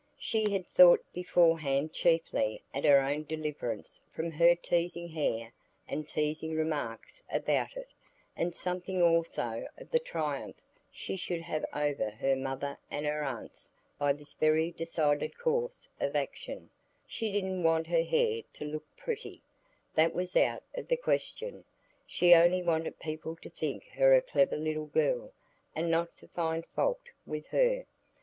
She had thought beforehand chiefly at her own deliverance from her teasing hair and teasing remarks about it, and something also of the triumph she should have over her mother and her aunts by this very decided course of action; she didn't want her hair to look pretty,—that was out of the question,—she only wanted people to think her a clever little girl, and not to find fault with her.